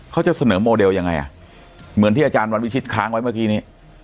เขาจะเสนอโมเดลยังไงอ่ะเหมือนที่อาจารย์วันวิชิตค้างไว้เมื่อกี้นี้